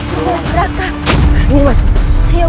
kemudian makan segalayeon